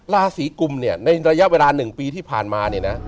ราศีกุมเนี่ยในระยะเวลา๑ปีที่ผ่านมาเนี่ยนะ